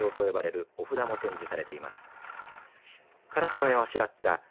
牛王宝印連判状と呼ばれるお札も展示されています。